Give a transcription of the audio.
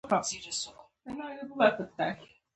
دا تکلیفونه خو جوړ کړي د پنجاب جرنیلانو دي.